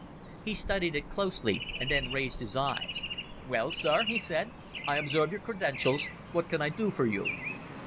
He studied it closely and then raised his eyes. "Well, Sir?" he said. "I observe your credentials. What can I do for you?"